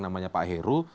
namanya pak heru